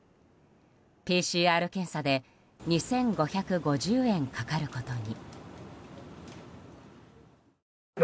ＰＣＲ検査で２５５０円かかるこことに。